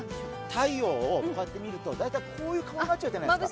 太陽をこうやって見ると、大体こういう顔になっちゃうじゃないですか。